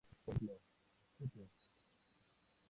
Por ejemplo, St.